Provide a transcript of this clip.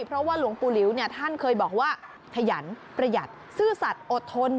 เพราะว่าหลวงปู่หลิวท่านเคยบอกว่าขยันประหยัดซื่อสัตว์อดทน